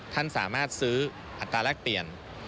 ท่านสามารถซื้ออัตราแรกเปลี่ยน